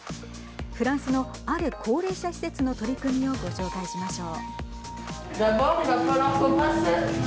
フランスのある高齢者施設の取り組みをご紹介しましょう。